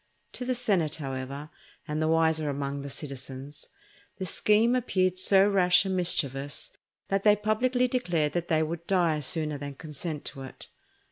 To the senate, however, and the wiser among the citizens, the scheme appeared so rash and mischievous that they publicly declared they would die sooner than consent to it.